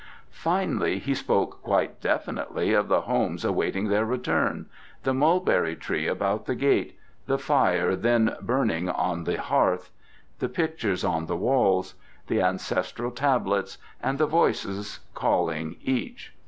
Finally he spoke quite definitely of the homes awaiting their return, the mulberry tree about the gate, the fire then burning on the hearth, the pictures on the walls, the ancestral tablets, and the voices calling each.